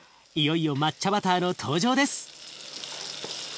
いよいよ抹茶バターの登場です。